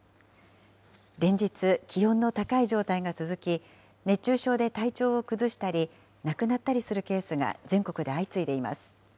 連日、気温の高い状態が続き、熱中症で体調を崩したり、亡くなったりするケースが全国で相次いでいます。